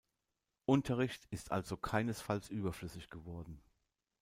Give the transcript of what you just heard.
Unterricht ist also keinesfalls überflüssig geworden.